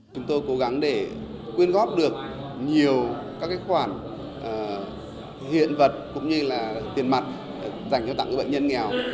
chúng tôi cố gắng để quyên góp được nhiều các khoản hiện vật cũng như là tiền mặt dành cho tặng các bệnh nhân nghèo